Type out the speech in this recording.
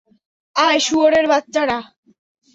আয় শুয়োরের বাচ্চারা।